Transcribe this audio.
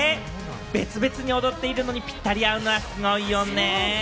別々に踊っているのに、ぴったり合うのはすごいよね！